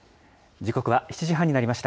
時刻は７時半になりました。